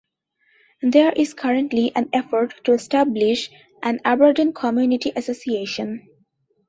There is currently an effort to establish an Aberdeen Community Association.